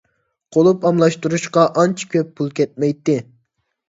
قۇلۇپ ئالماشتۇرۇشقا ئانچە كۆپ پۇل كەتمەيتتى.